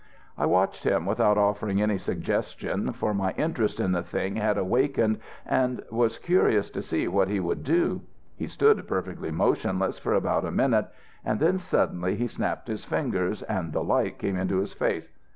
"I watched him without offering any suggestion, for my interest in the thing had awakened and was curious to see what he would do. He stood perfectly motionless for about a minute; and then suddenly he snapped his fingers and the light came into his face.